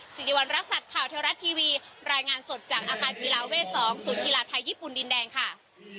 สิริวัณรักษัตริย์ข่าวเทวรัฐทีวีรายงานสดจากอาคารกีฬาเวท๒ศูนย์กีฬาไทยญี่ปุ่นดินแดงค่ะ